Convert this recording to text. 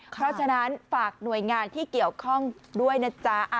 เพราะฉะนั้นฝากหน่วยงานที่เกี่ยวข้องด้วยนะจ๊ะ